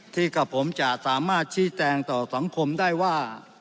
ที่กับผมจะสามารถชี้แจงต่อสังคมได้ว่า